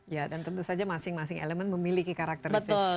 ya dan tentu saja masing masing elemen memiliki karakteristik